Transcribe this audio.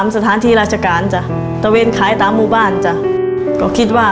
สร้างเมื่อปลอดภัย